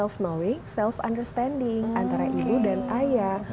of knowing self understanding antara ibu dan ayah